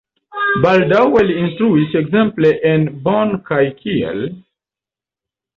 Baldaŭe li instruis ekzemple en Bonn kaj Kiel.